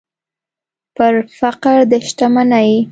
پر فقر د شتمنۍ